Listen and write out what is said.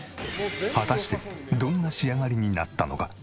果たしてどんな仕上がりになったのか？